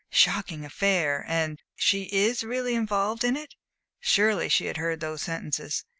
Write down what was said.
"Shocking affair," and "so she is really involved in it" surely she heard those sentences.